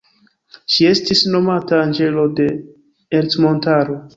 Ŝi estis nomata anĝelo de Ercmontaro.